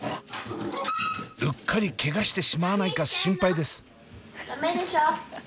うっかりケガしてしまわないか心配です。